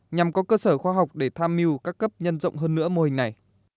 nhằm có cơ sở khoa học để tham mưu các cấp nhân rộng hơn nữa mô hình này